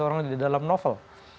orang dalam novel